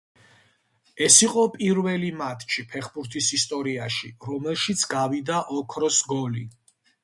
ეს იყო პირველი მატჩი ფეხბურთის ისტორიაში, რომელშიც გავიდა ოქროს გოლი.